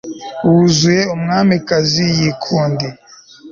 wuzuye umwamikazi yikundiye